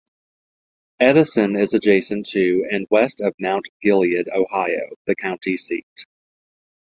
Edison is adjacent to and west of Mount Gilead, Ohio, the county seat.